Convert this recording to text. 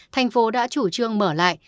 thành phố đã chủ trương mở lại